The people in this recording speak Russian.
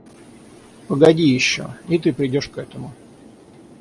Погоди еще, и ты придешь к этому.